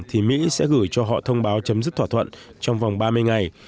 thì mỹ sẽ gửi cho họ thông báo chấm dứt thỏa thuận trong vòng ba mươi ngày